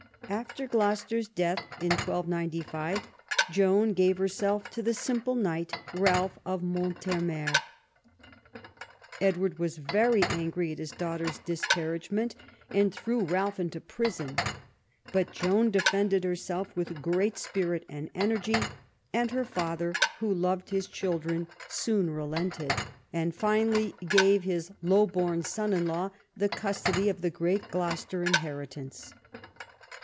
After Gloucester's death, in 1295, Joan gave herself to the simple knight, Ralph of ^Nlonthermer. Edward was very angry at his daughter's disparagement, and threw Ralph into prison ; but Joan defended herself Avith great spirit and energy, and her father, who loved his children, soon relented, 78 EDWARD I chap. and finally gave his low born son in law the custody of the great Gloucester inheritance.